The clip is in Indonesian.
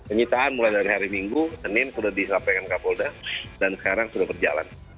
penyitaan mulai dari hari minggu senin sudah disampaikan kapolda dan sekarang sudah berjalan